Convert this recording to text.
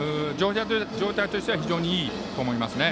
状態としては非常にいいと思いますね。